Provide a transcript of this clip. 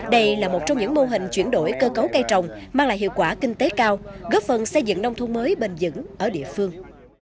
đây là một trong những mô hình chuyển đổi cơ cấu cây trồng mang lại hiệu quả kinh tế cao góp phần xây dựng nông thôn mới bền dững ở địa phương